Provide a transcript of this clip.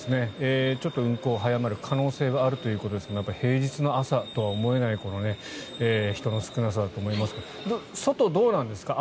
ちょっと運行が早まる可能性があるということですがやっぱり平日の朝とは思えない人の少なさだと思いますが外、どうなんですか？